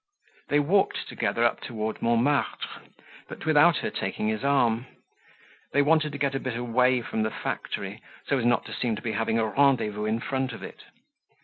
They walked together up toward Montmartre, but without her taking his arm. They wanted to get a bit away from the factory so as not to seem to be having a rendezvous in front of it.